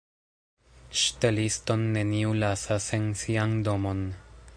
Ŝteliston neniu lasas en sian domon.